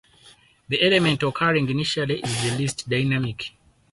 The element occurring initially is the least dynamic.